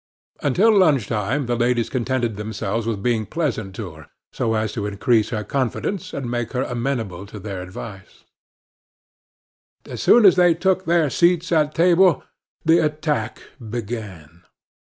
Until lunch time the ladies contented themselves with being pleasant to her, so as to increase her confidence and make her amenable to their advice. As soon as they took their seats at table the attack began.